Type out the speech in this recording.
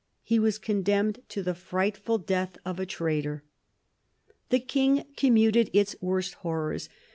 He was condemned to the frightful death of a traitor. The King commuted its worst horrors.